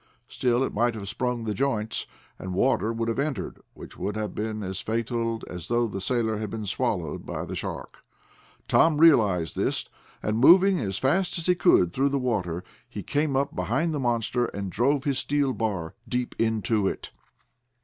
Still it might have sprung the joints, and water would have entered, which would have been as fatal as though the sailor had been swallowed by the shark. Tom realized this and, moving as fast as he could through the water, he came up behind the monster and drove his steel bar deep into it.